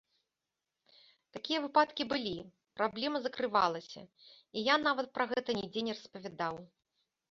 Такія выпадкі былі, праблема закрывалася, і я нават пра гэта нідзе не распавядаў.